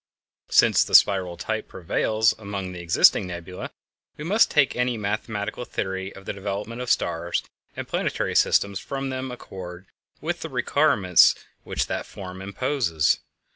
Since the spiral type prevails among the existing nebulæ, we must make any mechanical theory of the development of stars and planetary systems from them accord with the requirements which that form imposes.